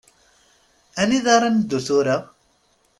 Anida ara neddu tura?